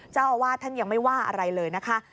เจ้าอาวาสท่านยังไม่ว่าอะไรเลยนะคะ